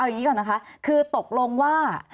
อย่างนี้ก่อนนะคะคือตกลงว่า